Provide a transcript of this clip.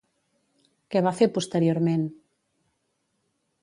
Què va fer posteriorment?